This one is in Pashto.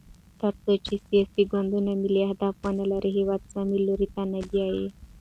تر څو چې سیاسي ګوندونه ملي اهداف ونلري، هېواد سم لوري ته نه بیايي.